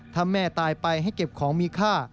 ถ้าแม่ตายไปให้เก็บของมีค่า